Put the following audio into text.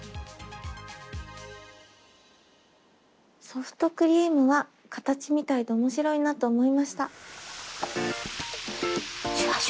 ソフトクリームは形みたいで面白いなと思いました。